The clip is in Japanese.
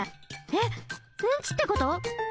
えっうんちってこと？